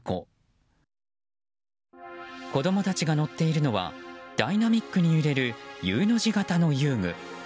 子供たちが乗っているのはダイナミックに揺れるＵの字型の遊具。